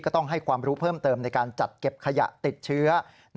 ต้องให้ความรู้เพิ่มเติมในการจัดเก็บขยะติดเชื้อ